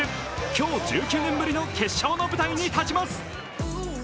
今日１９年ぶりの決勝の舞台に立ちます。